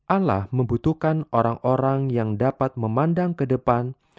ala membutuhkan orang orang yang dapat memandang ke depan